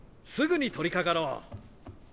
すぐに取りかかろう。